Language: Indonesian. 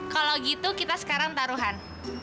kalau gitu kita sekarang taruhan